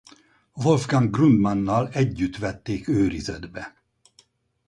Wolfgang Grundmann-nal együtt vették őrizetbe.